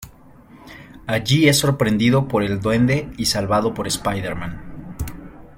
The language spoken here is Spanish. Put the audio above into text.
Allí es sorprendido por el Duende y salvado por Spiderman.